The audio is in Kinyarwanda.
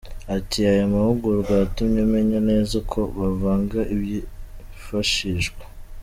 Ati “Aya mahugurwa yatumye menya neza uko bavanga ibyifashishwa.